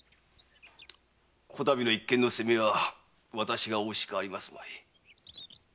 こたびの一件の責めは私が負うしかありますまい。